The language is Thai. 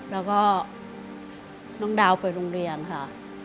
แล้วก็น้องดาวไปโรงเรียนค่ะ